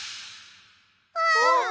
あっ。